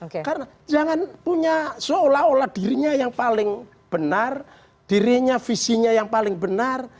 karena jangan punya seolah olah dirinya yang paling benar dirinya visinya yang paling benar